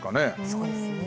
そうですよね。